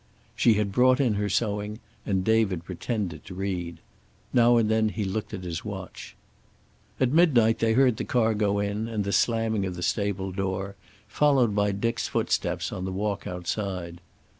She had brought in her sewing, and David pretended to read. Now and then he looked at his watch. At midnight they heard the car go in, and the slamming of the stable door, followed by Dick's footsteps on the walk outside.